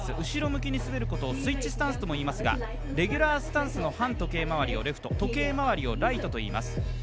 後ろ向きに滑ることをスイッチスタンスともいいますがレギュラースタンスは反時計回りをレフト時計回りをライトといいます。